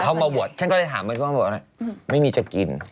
เขามาบวชฉันก็เลยถามไปว่าไม่มีจะกิน